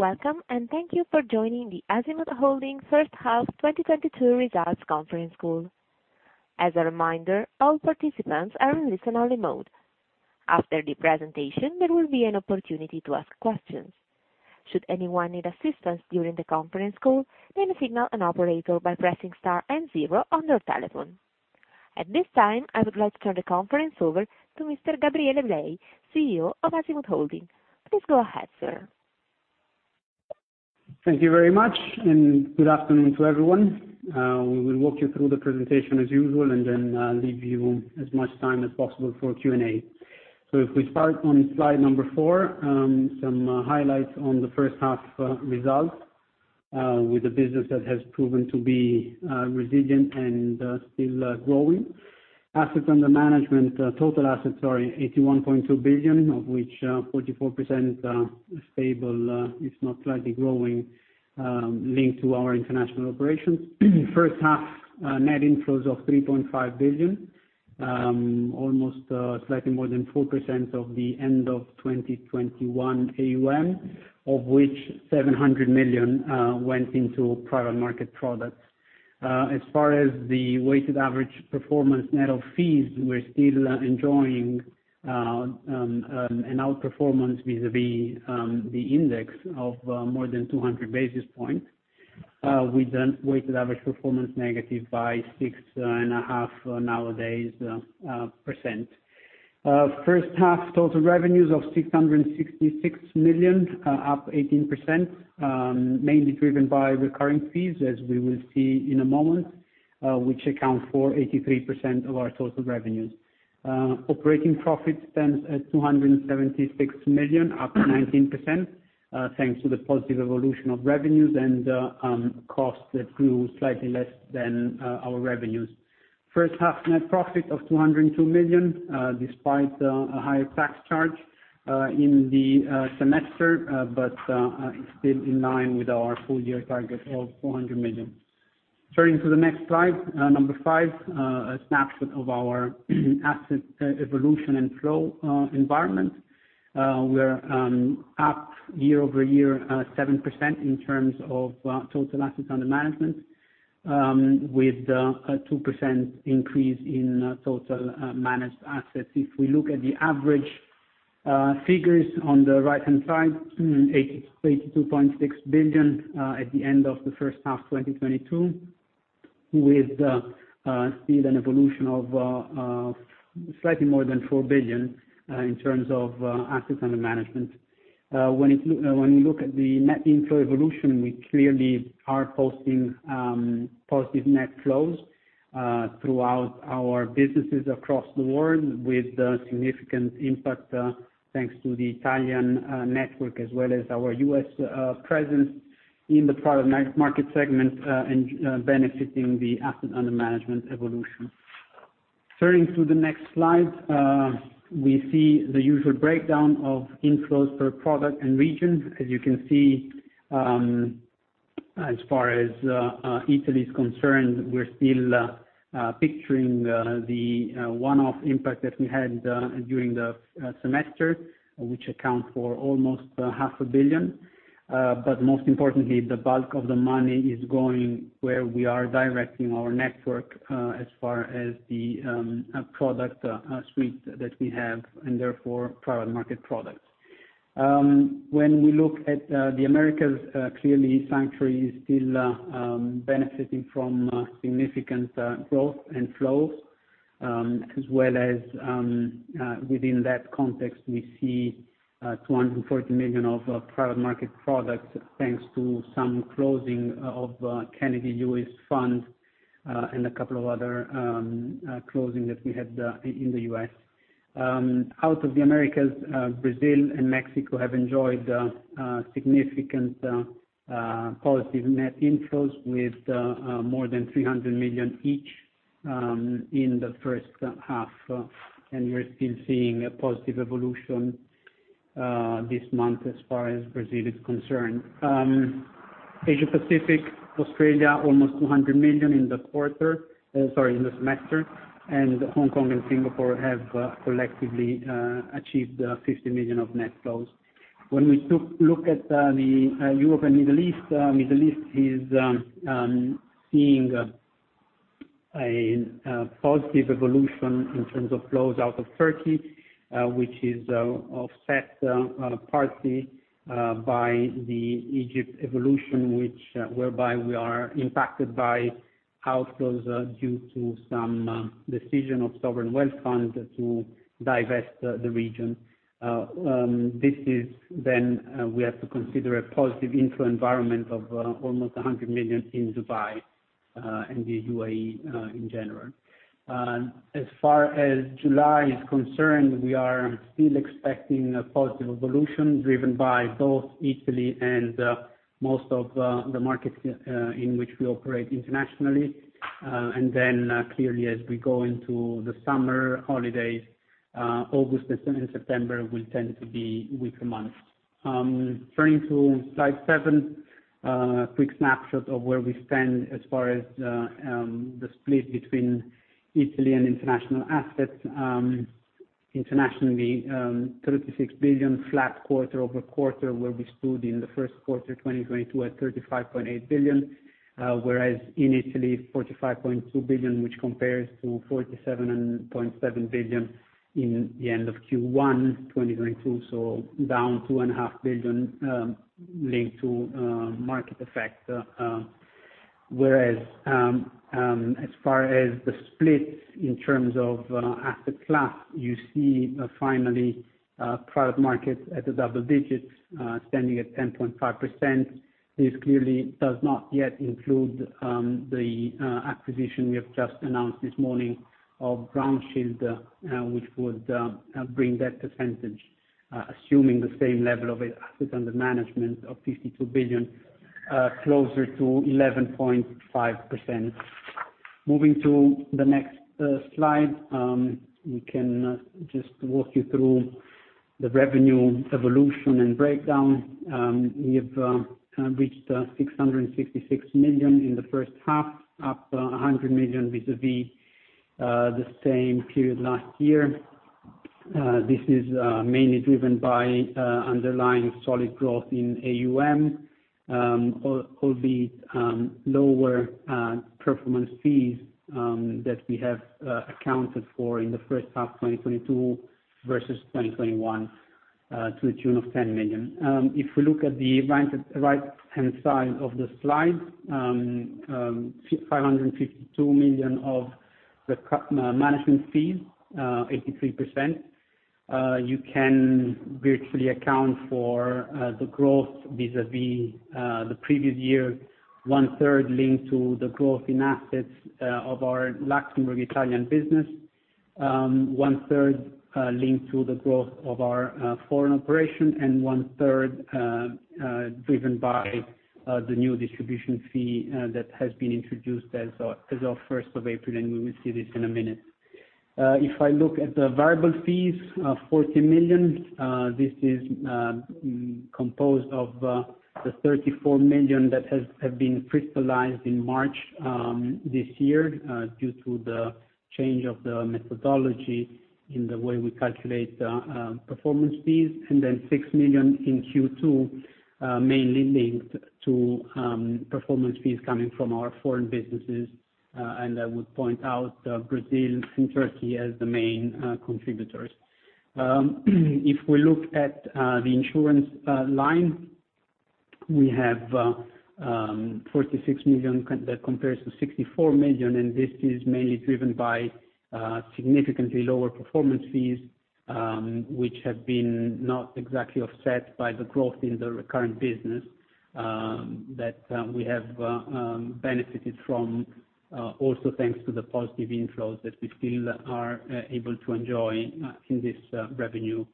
Welcome, and thank you for joining the Azimut Holding first half 2022 results conference call. As a reminder, all participants are in listen-only mode. After the presentation, there will be an opportunity to ask questions. Should anyone need assistance during the conference call, they may signal an operator by pressing star and zero on their telephone. At this time, I would like to turn the conference over to Mr. Gabriele Blei, CEO of Azimut Holding. Please go ahead, sir. Thank you very much, and good afternoon to everyone. We will walk you through the presentation as usual, and then leave you as much time as possible for Q&A. If we start on slide number four, some highlights on the first half result with a business that has proven to be resilient and still growing. Assets under management, total assets, sorry, 81.2 billion, of which 44% stable, if not slightly growing, linked to our international operations. First half net inflows of 3.5 billion, almost slightly more than 4% of the end of 2021 AUM, of which 700 million went into private market products. As far as the weighted average performance net of fees, we're still enjoying an outperformance vis-a-vis the index of more than 200 basis points. With the weighted average performance negative by 6.5%, nowadays. First half total revenues of 666 million, up 18%, mainly driven by recurring fees, as we will see in a moment, which account for 83% of our total revenues. Operating profit stands at 276 million, up 19%, thanks to the positive evolution of revenues and costs that grew slightly less than our revenues. First half net profit of 202 million despite a higher tax charge in the semester but it's still in line with our full year target of 400 million. Turning to the next slide, number five. A snapshot of our assets evolution and flow environment. We're up year-over-year 7% in terms of total assets under management with a 2% increase in total managed assets. If we look at the average figures on the right-hand side, 882.6 billion at the end of the first half 2022 with still an evolution of slightly more than 4 billion in terms of assets under management. When it When we look at the net inflow evolution, we clearly are posting positive net flows throughout our businesses across the world, with a significant impact thanks to the Italian network, as well as our U.S. presence in the private market segment, and benefiting the assets under management evolution. Turning to the next slide, we see the usual breakdown of inflows per product and region. As you can see, as far as Italy is concerned, we're still picturing the one-off impact that we had during the semester, which account for almost 500 million. Most importantly, the bulk of the money is going where we are directing our network as far as the product suite that we have, and therefore, private market products. When we look at the Americas, clearly Sanctuary Wealth is still benefiting from significant growth and flows, as well as within that context, we see 240 million of private market products, thanks to some closing of Canada-U.S. funds, and a couple of other closing that we had in the U.S. Out of the Americas, Brazil and Mexico have enjoyed significant positive net inflows with more than 300 million each in the first half. We're still seeing a positive evolution this month as far as Brazil is concerned. Asia-Pacific, Australia, almost 200 million in the semester. Hong Kong and Singapore have collectively achieved 50 million of net flows. When we look at the Europe and Middle East, Middle East is seeing a positive evolution in terms of flows out of Turkey, which is offset partly by the Egypt evolution, whereby we are impacted by outflows due to some decision of Sovereign Wealth Fund to divest the region. This is then we have to consider a positive inflow environment of almost 100 million in Dubai and the UAE in general. As far as July is concerned, we are still expecting a positive evolution driven by both Italy and most of the markets in which we operate internationally. Clearly, as we go into the summer holidays, August and September will tend to be weaker months. Turning to slide seven. A quick snapshot of where we stand as far as the split between Italy and international assets. Internationally, 36 billion flat quarter-over-quarter, where we stood in the first quarter 2022 at 35.8 billion. Whereas in Italy, 45.2 billion, which compares to 47.7 billion in the end of Q1 2022, so down 2.5 billion, linked to market effects. Whereas, as far as the split in terms of asset class, you see finally private market at the double digits, standing at 10.5%. This clearly does not yet include the acquisition we have just announced this morning of RoundShield, which would bring that percentage, assuming the same level of assets under management of 52 billion, closer to 11.5%. Moving to the next slide, we can just walk you through the revenue evolution and breakdown. We have reached 666 million in the first half, up 100 million vis-a-vis the same period last year. This is mainly driven by underlying solid growth in AUM, albeit lower performance fees that we have accounted for in the first half, 2022 versus 2021, to the tune of 10 million. If we look at the right-hand side of the slide, 552 million of the management fees, 83%. You can virtually account for the growth vis-a-vis the previous year, one-third linked to the growth in assets of our Luxembourg, Italian business. One-third linked to the growth of our foreign operation, and one-third driven by the new distribution fee that has been introduced as of first of April, and we will see this in a minute. If I look at the variable fees, 40 million, this is composed of the 34 million that have been crystallized in March this year due to the change of the methodology in the way we calculate performance fees, and then 6 million in Q2, mainly linked to performance fees coming from our foreign businesses. I would point out Brazil and Turkey as the main contributors. If we look at the insurance line, we have 46 million that compares to 64 million, and this is mainly driven by significantly lower performance fees, which have been not exactly offset by the growth in the recurrent business that we have benefited from, also thanks to the positive inflows that we still are able to enjoy in this revenue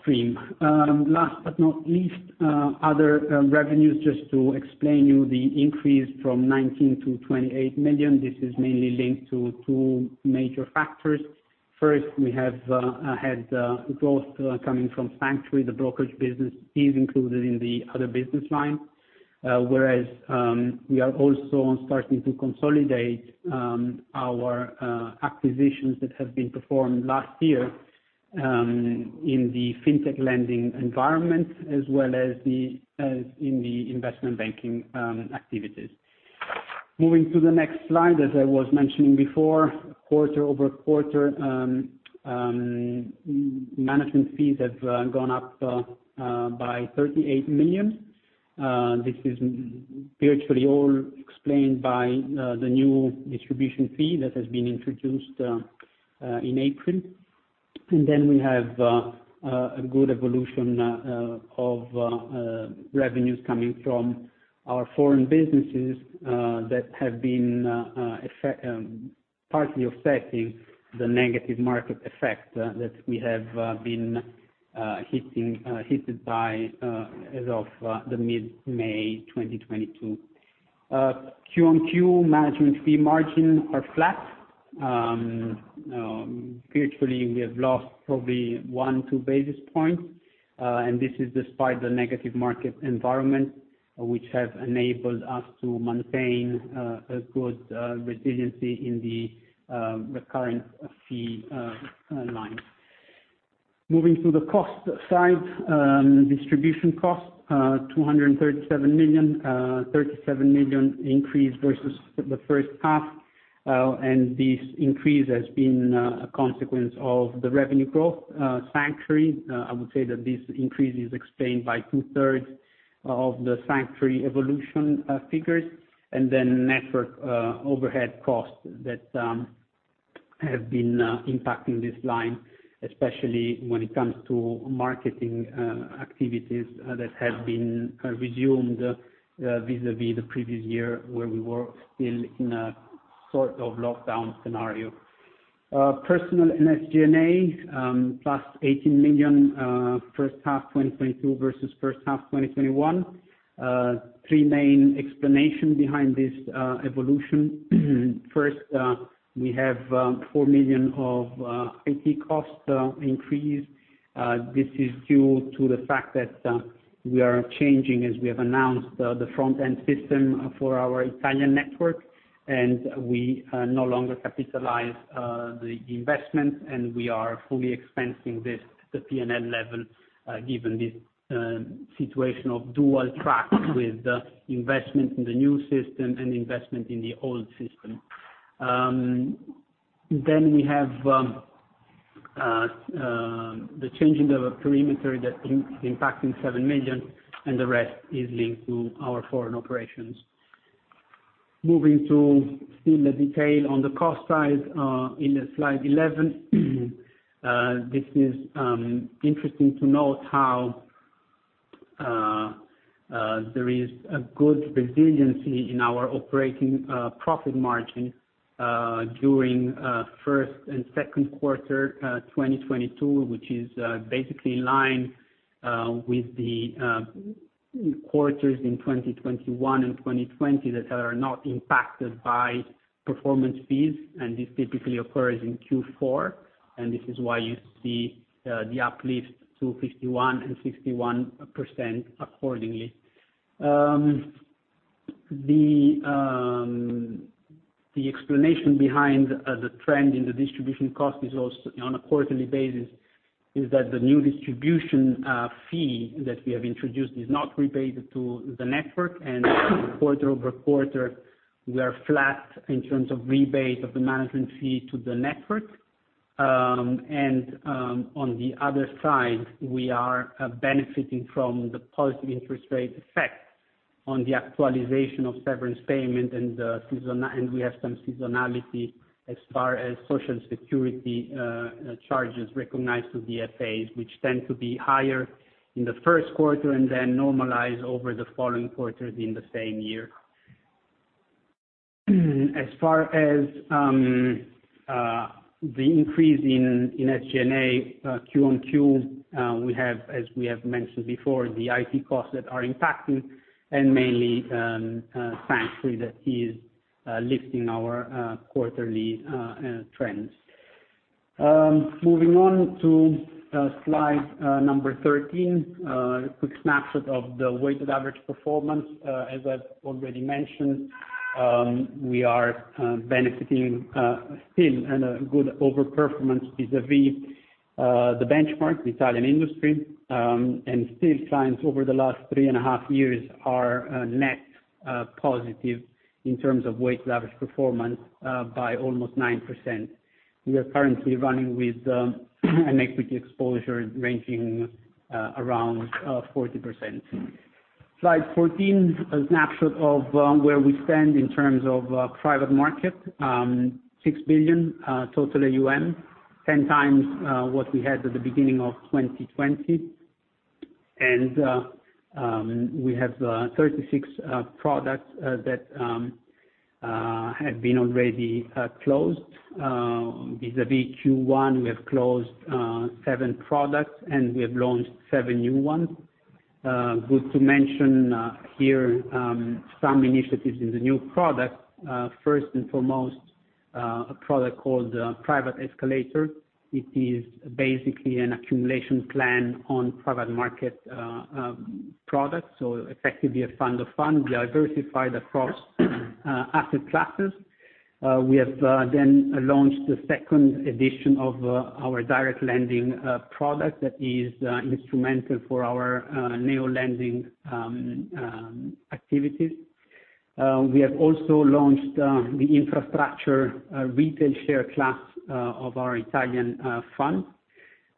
stream. Last but not least, other revenues, just to explain to you the increase from 19 million-28 million. This is mainly linked to two major factors. First, we have had growth coming from Sanctuary. The brokerage business is included in the other business line, whereas we are also starting to consolidate our acquisitions that have been performed last year in the FinTech lending environment, as well as in the investment banking activities. Moving to the next slide, as I was mentioning before, quarter-over-quarter management fees have gone up by 38 million. This is virtually all explained by the new distribution fee that has been introduced in April. We have a good evolution of revenues coming from our foreign businesses that have been partly offsetting the negative market effect that we have been hit by as of mid-May 2022. Q on Q, management fee margins are flat. Virtually, we have lost probably one, two basis points. This is despite the negative market environment, which have enabled us to maintain a good resiliency in the recurring fee line. Moving to the cost side, distribution costs, 237 million, 37 million increase versus the first half. This increase has been a consequence of the revenue growth, Sanctuary. I would say that this increase is explained by two-thirds of the Sanctuary evolution figures, and then network overhead costs that have been impacting this line, especially when it comes to marketing activities that have been resumed vis-à-vis the previous year, where we were still in a sort of lockdown scenario. Personal and SG&A, plus 18 million, first half 2022 versus first half 2021. Three main explanation behind this evolution. First, we have 4 million of IT cost increase. This is due to the fact that we are changing, as we have announced, the front-end system for our Italian network, and we no longer capitalize the investment, and we are fully expensing this at the P&L level, given this situation of dual track with the investment in the new system and investment in the old system. Then we have the change in the perimeter that impacting 7 million, and the rest is linked to our foreign operations. Moving to still the detail on the cost side, in the slide 11. This is interesting to note how there is a good resiliency in our operating profit margin during first and second quarter 2022, which is basically in line with the quarters in 2021 and 2020 that are not impacted by performance fees, and this typically occurs in Q4. This is why you see the uplift to 51% and 61% accordingly. The explanation behind the trend in the distribution cost is also on a quarterly basis, is that the new distribution fee that we have introduced is not rebated to the network. Quarter-over-quarter, we are flat in terms of rebate of the management fee to the network. On the other side, we are benefiting from the positive interest rate effect on the actualization of severance payment and we have some seasonality as far as Social Security charges recognized to the FAs, which tend to be higher in the first quarter and then normalize over the following quarters in the same year. As far as the increase in SG&A Q on Q, we have, as we have mentioned before, the IT costs that are impacting and mainly Sanctuary that is lifting our quarterly trends. Moving on to slide number 13. A quick snapshot of the weighted average performance. As I've already mentioned, we are benefiting still in a good over-performance vis-à-vis the benchmark, the Italian industry. Still clients over the last three and a half years are net positive in terms of weighted average performance by almost 9%. We are currently running with an equity exposure ranging around 40%. Slide 14, a snapshot of where we stand in terms of private market. 6 billion total AUM, 10 times what we had at the beginning of 2020. We have 36 products that have been already closed. Vis-a-vis Q1, we have closed 7 products, and we have launched 7 new ones. Good to mention here some initiatives in the new product. First and foremost, a product called Private Escalator. It is basically an accumulation plan on private market products, so effectively a fund of funds. We are diversified across asset classes. We have then launched a second edition of our direct lending product that is instrumental for our new lending activities. We have also launched the infrastructure retail share class of our Italian fund.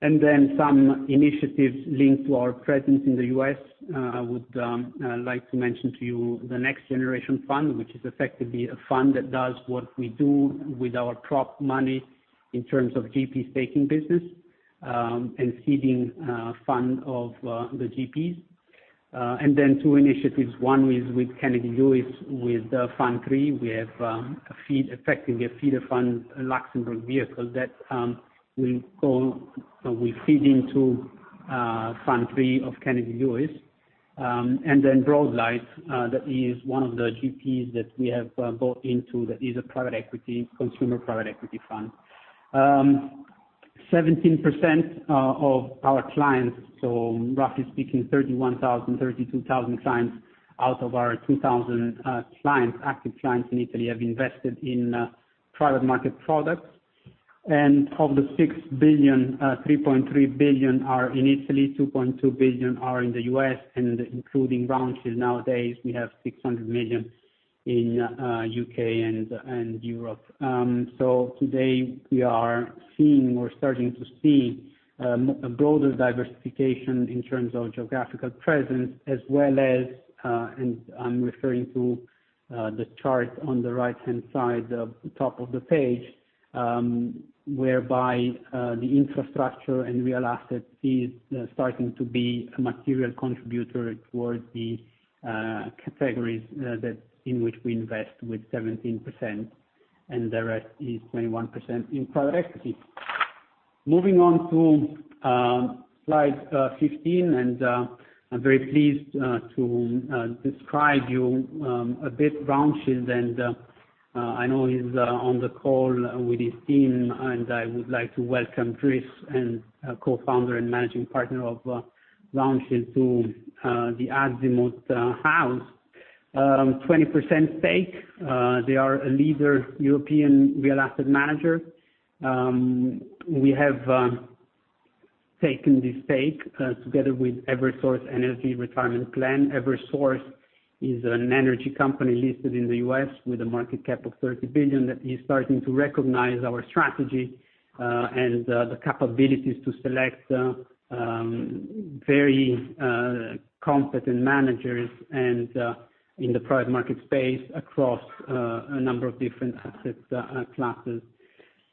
Some initiatives linked to our presence in the U.S. I would like to mention to you the Next Generation Fund, which is effectively a fund that does what we do with our prop money in terms of GP staking business, and seeding fund of the GPs. Two initiatives. One is with Kennedy Lewis with Fund III. We have effectively a feeder fund, a Luxembourg vehicle that will feed into Fund III of Kennedy Lewis. BroadLight, that is one of the GPs that we have bought into that is a private equity, consumer private equity fund. 17% of our clients, so roughly speaking 31,000, 32,000 clients out of our 2,000 clients, active clients in Italy, have invested in private market products. Of the 6 billion, 3.3 billion are in Italy, 2.2 billion are in the U.S., and including Brookfield nowadays, we have 600 million in U.K. and Europe. Today we are seeing or starting to see a broader diversification in terms of geographical presence as well as and I'm referring to the chart on the right-hand side of the top of the page, whereby the infrastructure and real assets is starting to be a material contributor towards the categories in which we invest with 17%, and the rest is 21% in private equity. Moving on to slide 15. I'm very pleased to describe you a bit RoundShield. I know he's on the call with his team, and I would like to welcome Chris, co-founder and managing partner of RoundShield to the Azimut House. 20% stake. They are a leading European real asset manager. We have taken the stake together with Eversource Energy Retirement Plan. Eversource is an energy company listed in the U.S. with a market cap of $30 billion that is starting to recognize our strategy and the capabilities to select very competent managers and in the private market space across a number of different asset classes.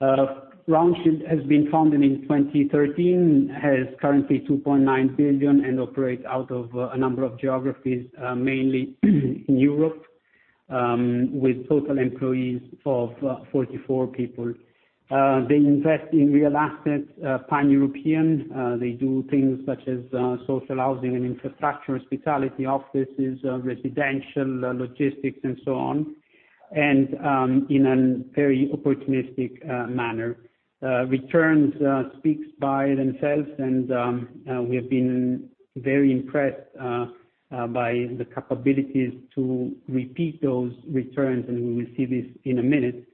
RoundShield has been founded in 2013, has currently 2.9 billion and operates out of a number of geographies, mainly in Europe, with total employees of 44 people. They invest in real assets, pan-European. They do things such as social housing and infrastructure, hospitality, offices, residential, logistics and so on, and in a very opportunistic manner. Returns speak for themselves, and we have been very impressed by the capabilities to repeat those returns, and we will see this in a minute.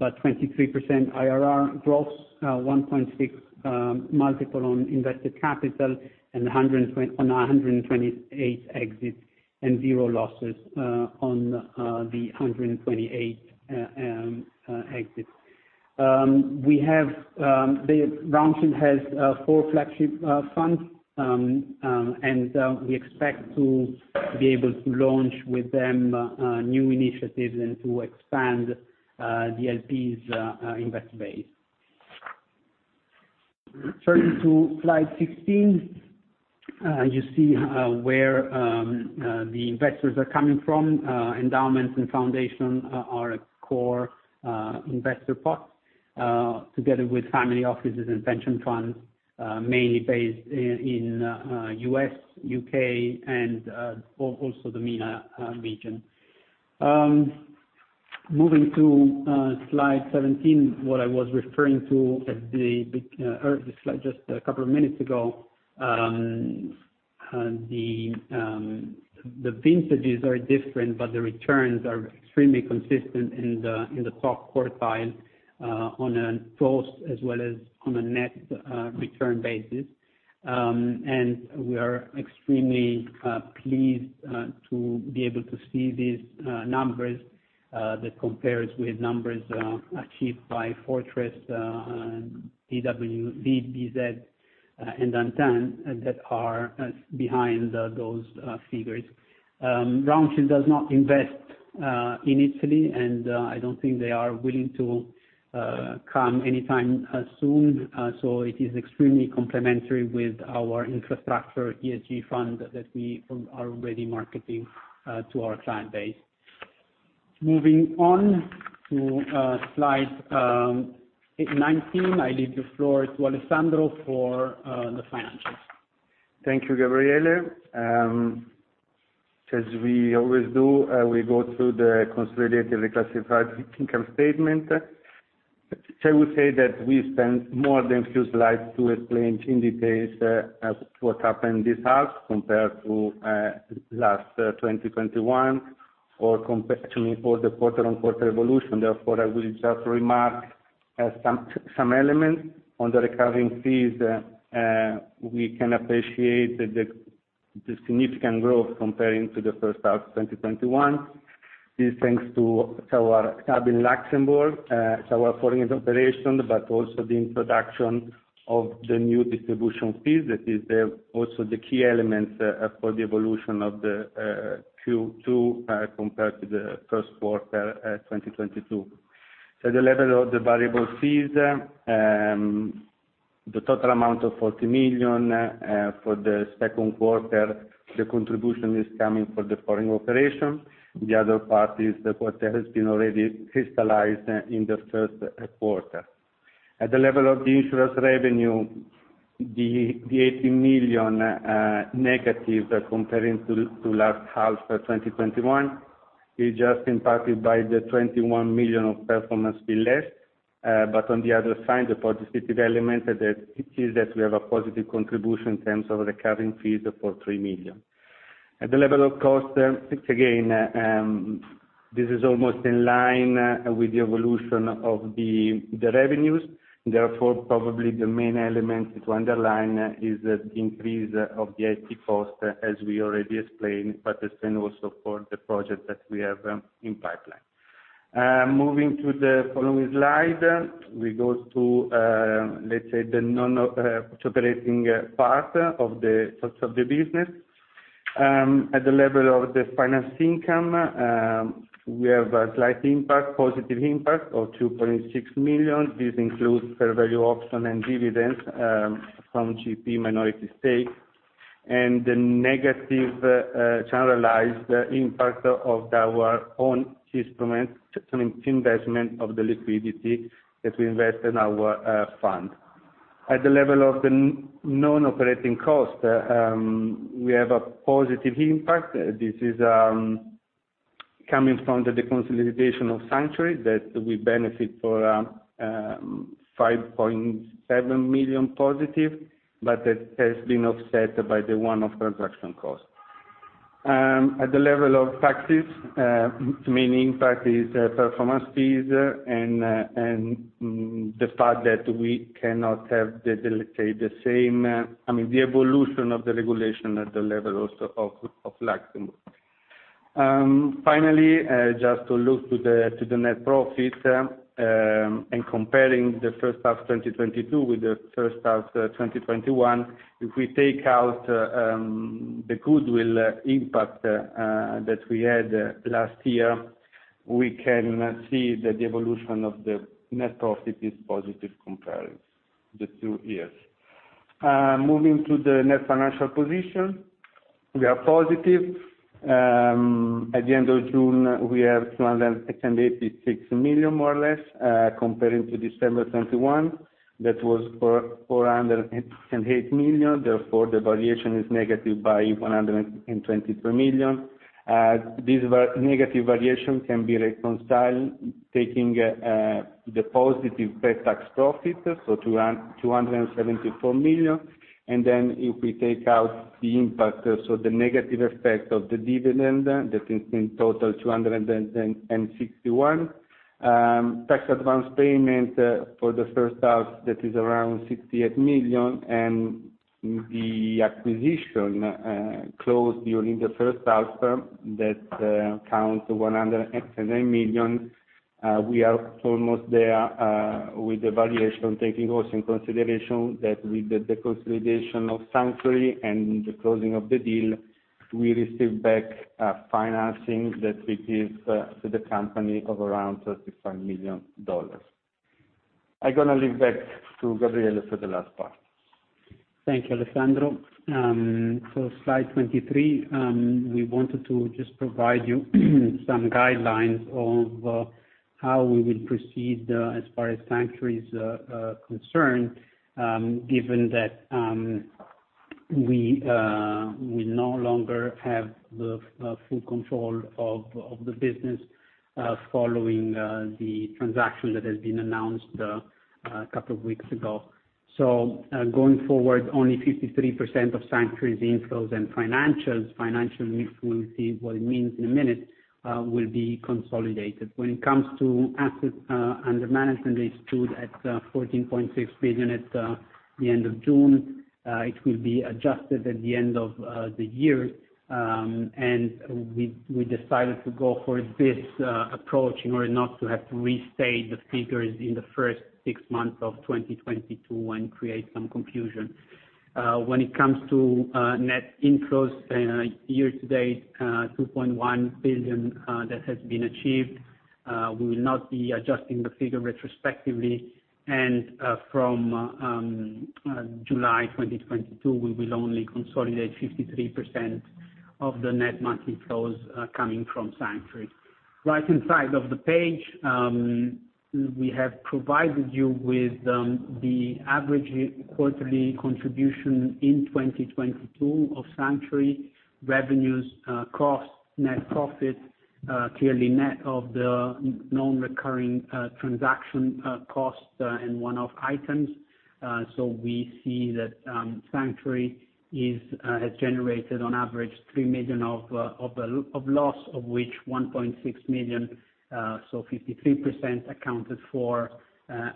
23% IRR gross, 1.6x multiple on invested capital and 128 exits and 0 losses on the 128 exits. The RoundShield has 4 flagship funds, and we expect to be able to launch with them new initiatives and to expand the LPs investor base. Turning to slide 16, you see where the investors are coming from. Endowments and foundation are a core investor pool together with family offices and pension funds mainly based in U.S., U.K., and also the MENA region. Moving to slide 17, what I was referring to or the slide just a couple of minutes ago. The vintages are different, but the returns are extremely consistent in the top quartile on a gross as well as on a net return basis. We are extremely pleased to be able to see these numbers that compares with numbers achieved by Fortress, PW, BBZ, and Antin that are behind those figures. Roundshield does not invest in Italy, and I don't think they are willing to come anytime soon. It is extremely complementary with our infrastructure ESG fund that we are already marketing to our client base. Moving on to slide 19, I leave the floor to Alessandro for the financials. Thank you, Gabriele. As we always do, we go through the consolidated reclassified income statement. I would say that we spent more than a few slides to explain in detail what happened this half compared to last 2021, or the quarter-on-quarter evolution. Therefore, I will just remark some elements on the recurring fees. We can appreciate the significant growth comparing to the first half 2021 is thanks to our hub in Luxembourg, our foreign operation, but also the introduction of the new distribution fees. That is also the key elements for the evolution of the Q2 compared to the first quarter 2022. The level of the variable fees, the total amount of 40 million for the second quarter, the contribution is coming for the foreign operation. The other part is the quarter has been already crystallized in the first quarter. At the level of the insurance revenue, the 18 million, negative comparing to last half 2021 is just impacted by the 21 million of performance fee less. But on the other side, the positive element that it is that we have a positive contribution in terms of recurring fees for 3 million. At the level of cost, again, this is almost in line with the evolution of the revenues. Therefore, probably the main element to underline is the increase of the IT cost, as we already explained, but the same also for the project that we have in pipeline. Moving to the following slide, we go to, let's say, the non-operating part of the source of the business. At the level of the finance income, we have a slight positive impact of 2.6 million. This includes fair value option and dividends from GP minority stake. The negative generalized impact of our own instrument, investment of the liquidity that we invest in our fund. At the level of the non-operating costs, we have a positive impact. This is coming from the consolidation of Sanctuary that we benefit from, 5.7 million positive, but it has been offset by the one-off transaction costs. At the level of taxes, meaning taxes, performance fees, and the fact that we cannot have the same, I mean, the evolution of the regulation at the level also of Luxembourg. Finally, just to look to the net profit, and comparing the first half 2022 with the first half 2021. If we take out the goodwill impact that we had last year, we can see that the evolution of the net profit is positive comparing the two years. Moving to the net financial position, we are positive. At the end of June, we have 286 million, more or less, comparing to December 2021, that was 408 million, therefore the variation is negative by 123 million. These negative variations can be reconciled taking the positive pre-tax profit, so 274 million. Then if we take out the impact, so the negative effect of the dividend that is in total 261 million, tax advance payment for the first half, that is around 68 million, and the acquisition closed during the first half that counts 107 million. We are almost there with the valuation, taking also into consideration that with the consolidation of Sanctuary and the closing of the deal, we received back financing that we gave to the company of around $35 million. I'm gonna hand back to Gabriele for the last part. Thank you, Alessandro. For slide 23, we wanted to just provide you some guidelines of how we will proceed as far as Sanctuary Wealth is concerned, given that we no longer have the full control of the business following the transaction that has been announced a couple of weeks ago. Going forward, only 53% of Sanctuary Wealth's inflows and financials, financial mix, we'll see what it means in a minute, will be consolidated. When it comes to assets under management, they stood at 14.6 billion at the end of June. It will be adjusted at the end of the year. We decided to go for this approach in order not to have to restate the figures in the first six months of 2022 and create some confusion. When it comes to net inflows year-to-date, 2.1 billion that has been achieved, we will not be adjusting the figure retrospectively. From July 2022, we will only consolidate 53% of the net monthly flows coming from Sanctuary. Right-hand side of the page, we have provided you with the average quarterly contribution in 2022 of Sanctuary revenues, costs, net profit, clearly net of the non-recurring transaction costs and one-off items. We see that Sanctuary has generated on average 3 million of loss, of which 1.6 million, so 53% accounted for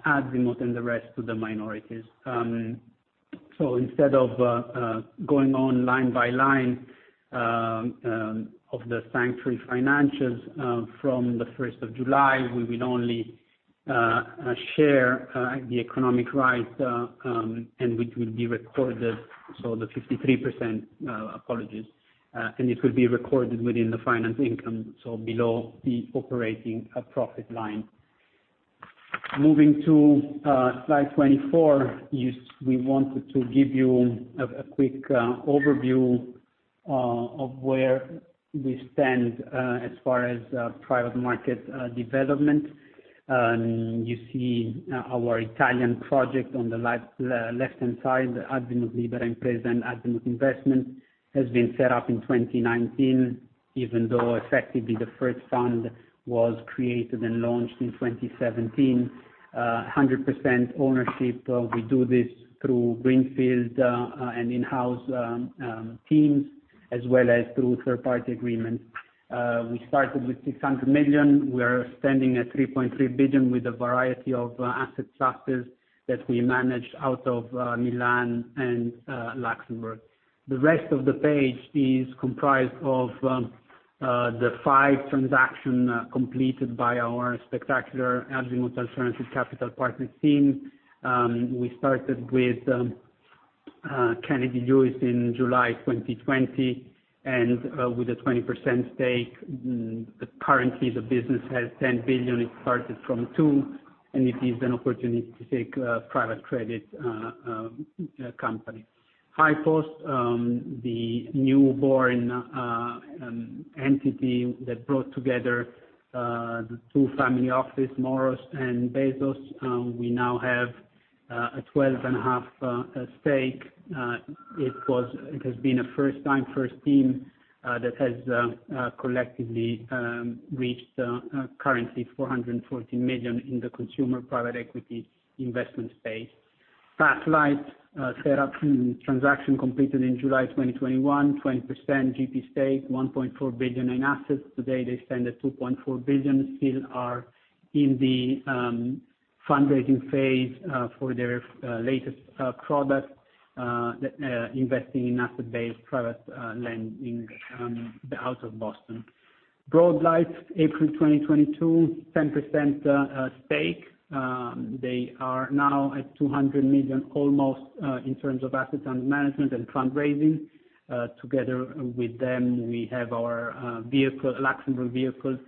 Azimut and the rest to the minorities. Instead of going line by line of the Sanctuary financials from the first of July, we will only share the economic rights and which will be recorded. The 53%, apologies, and it will be recorded within the finance income, below the operating profit line. Moving to slide 24, we wanted to give you a quick overview of where we stand as far as private market development. You see, our Italian project on the left-hand side, Azimut Libera Impresa and Azimut Investment, has been set up in 2019, even though effectively the first fund was created and launched in 2017. 100% ownership, we do this through greenfield and in-house teams, as well as through third-party agreements. We started with 600 million. We are standing at 3.3 billion with a variety of asset classes that we manage out of Milan and Luxembourg. The rest of the page is comprised of the five transactions completed by our spectacular Azimut Alternative Capital Partners team. We started with Kennedy Lewis in July 2020 with a 20% stake, mm-hmm, currently the business has 10 billion. It started from two, and it is an opportunity to take a private credit company. HighPost, the newborn entity that brought together the two family offices, Moross and Bezos, we now have a 12.5% stake. It has been a first time, first team that has collectively reached currently $440 million in the consumer private equity investment space. Pathlight, set up, transaction completed in July 2021, 20% GP stake, $1.4 billion in assets. Today, they stand at $2.4 billion, still are in the fundraising phase for their latest product investing in asset-based private lending out of Boston. BroadLight, April 2022, 10% stake. They are now at 200 million almost in terms of assets under management and fundraising. Together with them, we have our vehicle, Luxembourg vehicle,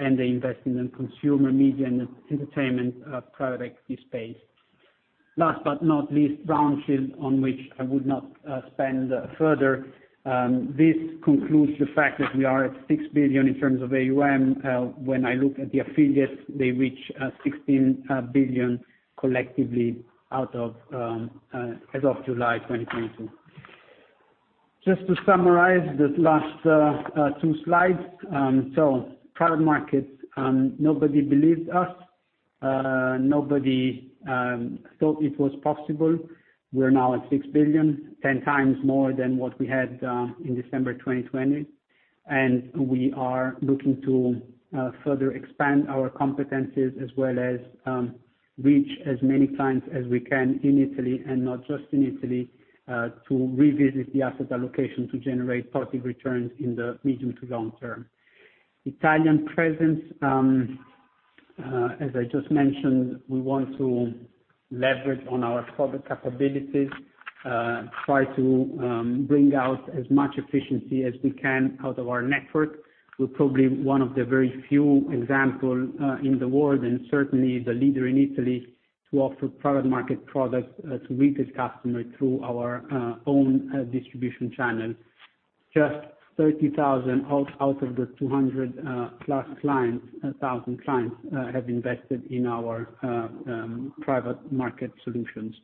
and they invest in consumer, media, and entertainment private equity space. Last but not least, RoundShield, on which I would not spend further. This concludes the fact that we are at 6 billion in terms of AUM. When I look at the affiliates, they reach 16 billion collectively as of July 2022. Just to summarize the last two slides. Private markets, nobody believed us. Nobody thought it was possible. We're now at 6 billion, 10 times more than what we had in December 2020. We are looking to further expand our competencies as well as reach as many clients as we can in Italy, and not just in Italy, to revisit the asset allocation to generate positive returns in the medium to long term. Italian presence, as I just mentioned, we want to leverage on our product capabilities, try to bring out as much efficiency as we can out of our network. We're probably one of the very few example in the world, and certainly the leader in Italy to offer private market products to retail customers through our own distribution channel. Just 30,000 out of the 200,000+ clients have invested in our private market solutions.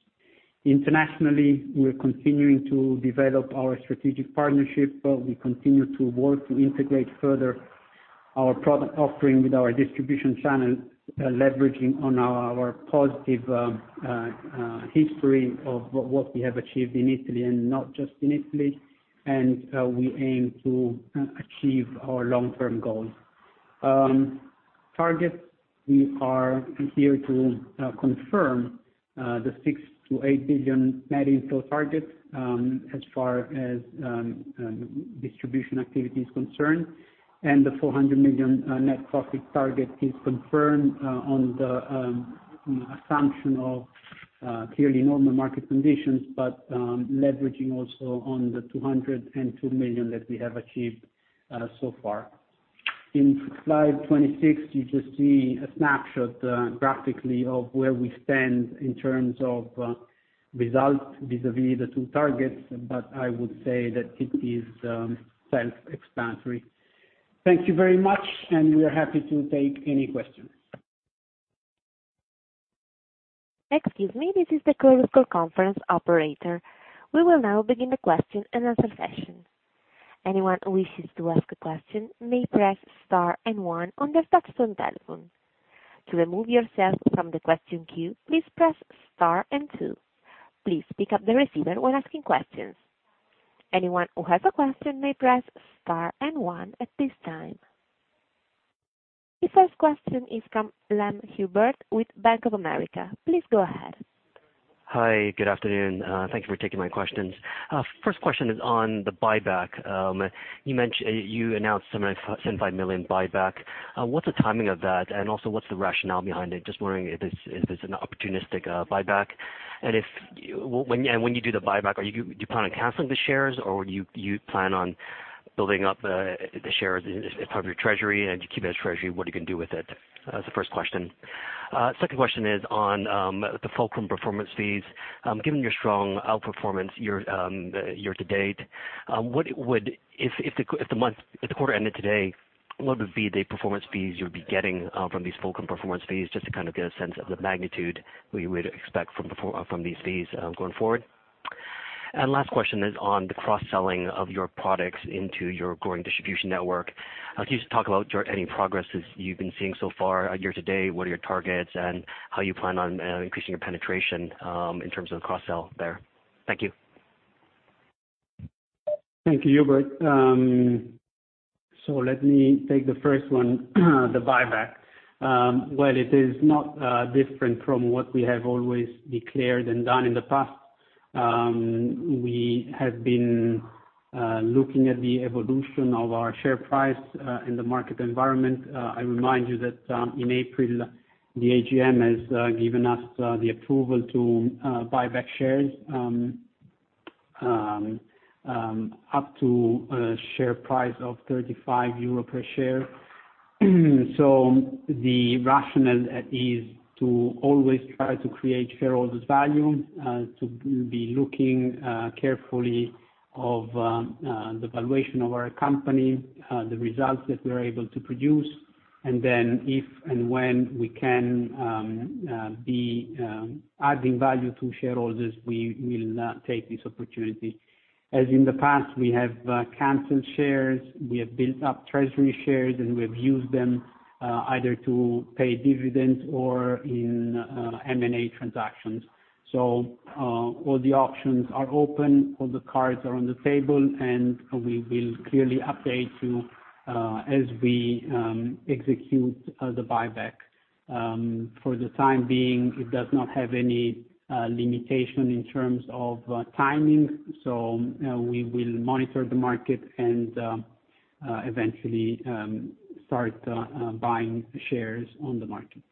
Internationally, we're continuing to develop our strategic partnership. We continue to work to integrate further our product offering with our distribution channel, leveraging on our positive history of what we have achieved in Italy and not just in Italy. We aim to achieve our long-term goals. Targets, we are here to confirm the 6 billion-8 billion net inflow targets, as far as distribution activity is concerned, and the 400 million net profit target is confirmed, on the assumption of clearly normal market conditions, but leveraging also on the 202 million that we have achieved so far. In slide 26, you just see a snapshot graphically of where we stand in terms of results vis-a-vis the two targets, but I would say that it is self-explanatory. Thank you very much, and we are happy to take any questions. Excuse me, this is the Chorus Call conference operator. We will now begin the question and answer session. Anyone who wishes to ask a question may press Star and One on their touchscreen telephone. To remove yourself from the question queue, please press Star and Two. Please pick up the receiver when asking questions. Anyone who has a question may press Star and One at this time. The first question is from Chetan Khulbe with Bank of America. Please go ahead. Hi, good afternoon. Thank you for taking my questions. First question is on the buyback. You announced 75 million buyback. What's the timing of that? And also, what's the rationale behind it? Just wondering if it's an opportunistic buyback. When you do the buyback, do you plan on canceling the shares, or you plan on building up the shares as part of your treasury, and you keep it as treasury, what are you gonna do with it? That's the first question. Second question is on the fulcrum performance fees. Given your strong outperformance year to date, what would... If the quarter ended today, what would be the performance fees you would be getting from these fulcrum performance fees, just to kind of get a sense of the magnitude we would expect from these fees going forward? Last question is on the cross-selling of your products into your growing distribution network. I'll just talk about your any progresses you've been seeing so far year to date, what are your targets, and how you plan on increasing your penetration in terms of the cross-sell there. Thank you. Thank you, Hubert. So let me take the first one, the buyback. Well, it is not different from what we have always declared and done in the past. We have been looking at the evolution of our share price in the market environment. I remind you that in April, the AGM has given us the approval to buy back shares up to share price of 35 euro per share. The rationale is to always try to create shareholders value to be looking carefully of the valuation of our company, the results that we are able to produce. If and when we can be adding value to shareholders, we will take this opportunity. As in the past, we have canceled shares, we have built up treasury shares, and we have used them either to pay dividends or in M&A transactions. All the options are open, all the cards are on the table, and we will clearly update you as we execute the buyback. For the time being, it does not have any limitation in terms of timing, so we will monitor the market and eventually start buying shares on the market.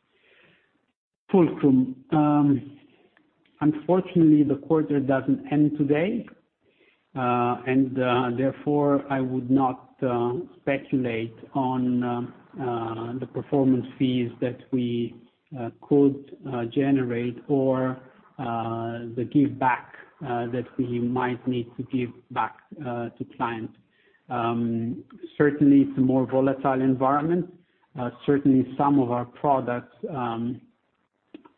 Fulcrum. Unfortunately, the quarter doesn't end today, and therefore, I would not speculate on the performance fees that we could generate or the giveback that we might need to give back to clients. Certainly, it's a more volatile environment. Certainly, some of our products